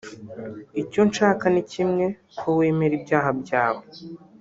Icyo nshaka ni kimwe ko wemera ibyaha byawe